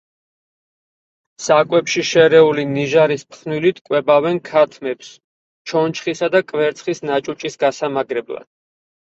საკვებში შერეული ნიჟარის ფხვნილით კვებავენ ქათმებს ჩონჩხისა და კვერცხის ნაჭუჭის გასამაგრებლად.